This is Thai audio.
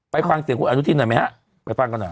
ไปฟังเสียงคุณอนุทินหน่อยไหมฮะไปฟังกันหน่อย